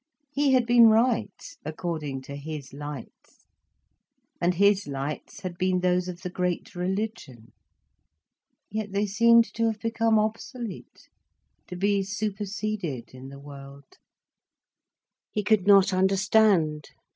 He had been right according to his lights. And his lights had been those of the great religion. Yet they seemed to have become obsolete, to be superseded in the world. He could not understand.